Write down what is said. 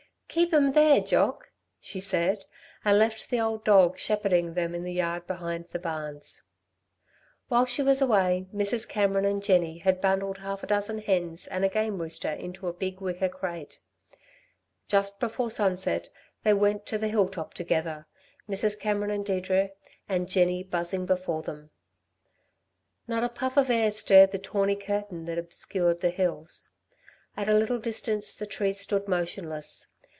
"Keep 'em there, Jock!" she said and left the old dog shepherding them in the yard behind the barns. While she was away, Mrs. Cameron and Jenny had bundled half a dozen hens and a game rooster into a big wicker crate. Just before sunset they went to the hill top together, Mrs. Cameron and Deirdre, and Jenny buzzing before them. Not a puff of air stirred the tawny curtain that obscured the hills. At a little distance the trees stood motionless.